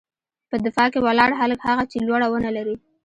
_په دفاع کې ولاړ هلک، هغه چې لوړه ونه لري.